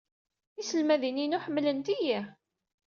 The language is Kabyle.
Tiselmadin-inu ḥemmlent-iyi.